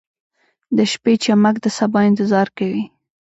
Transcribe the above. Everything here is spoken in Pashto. • د شپې چمک د سبا انتظار کوي.